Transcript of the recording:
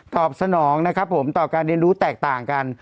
ต่อสนองต่อการเรียนรู้แตกต่างกัน